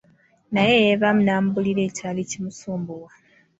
Naye yeevaamu n'amubuulira ekyali kimusumbuwa.